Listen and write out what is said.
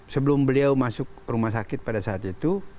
sebelum beliau masuk rumah sakit pada saat itu